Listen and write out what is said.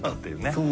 そう。